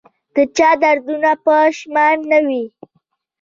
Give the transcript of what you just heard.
د چا دردونه په شمار نه وه